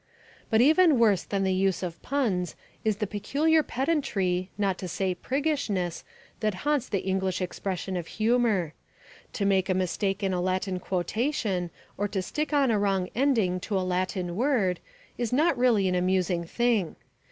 But even worse than the use of puns is the peculiar pedantry, not to say priggishness, that haunts the English expression of humour. To make a mistake in a Latin quotation or to stick on a wrong ending to a Latin word is not really an amusing thing.